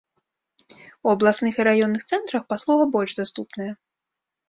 У абласных і раённых цэнтрах паслуга больш даступная.